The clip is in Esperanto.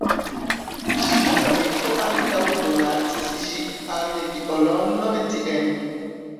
Ŝia familio ankaŭ donacis ŝian violonon tien.